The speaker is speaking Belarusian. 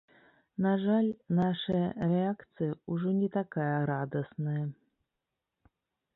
На жаль, нашая рэакцыя ўжо не такая радасная.